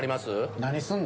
何すんの？